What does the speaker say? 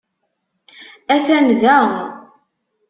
Atan da.